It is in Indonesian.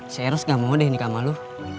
si eros gak mau deh nikah sama lu